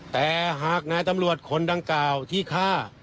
แต่หากนายตำรวจคนดังกล่าวที่ฆ่า